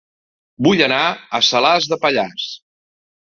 Vull anar a Salàs de Pallars